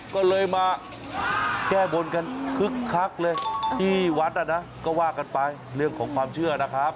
ก็เลยมาแก้บนกันคึกคักเลยที่วัดอ่ะนะก็ว่ากันไปเรื่องของความเชื่อนะครับ